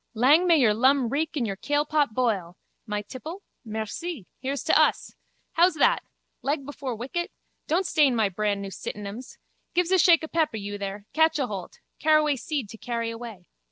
Lang may your lum reek and your kailpot boil! My tipple. Merci. Here's to us. How's that? Leg before wicket. Don't stain my brandnew sitinems. Give's a shake of peppe, you there. Catch aholt. Caraway seed to carry away.